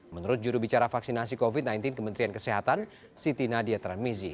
menurut jurubicara vaksinasi covid sembilan belas kementerian kesehatan siti nadia transmizi